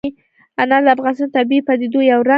انار د افغانستان د طبیعي پدیدو یو رنګ دی.